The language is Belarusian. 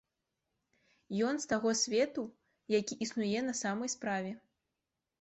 Ён з таго свету, які існуе на самай справе.